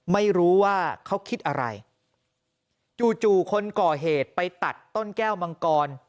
ไม่รู้ว่าเขาคิดอะไรจู่จู่คนก่อเหตุไปตัดต้นแก้วมังกร